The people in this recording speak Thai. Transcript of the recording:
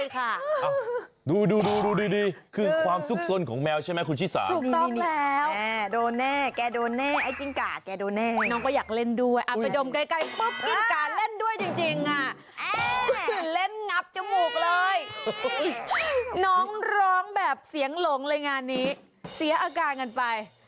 น้องร้องแบบเสียงหลงเลยงานนี้เสียอาการกันไป